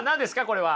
これは。